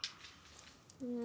うん。